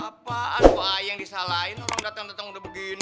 apaan lo ayang disalahin orang datang datang udah begini